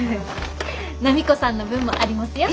波子さんの分もありますよ。